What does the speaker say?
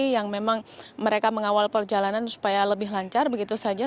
yang memang mereka mengawal perjalanan supaya lebih lancar begitu saja